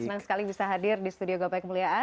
senang sekali bisa hadir di studio gapai kemuliaan